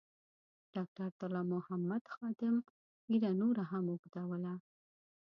ډاکټر طلا محمد خادم ږیره نوره هم اوږدوله.